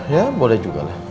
ya boleh juga lah